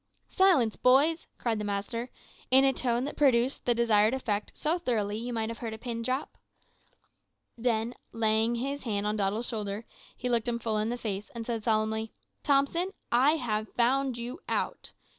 "`Silence, boys,' cried the master, in a tone that produced the desired effect so thoroughly that you might have heard a pin drop. Then laying his hand on Doddle's shoulder, he looked him full in the face, and said solemnly, `Thompson, I have found you out.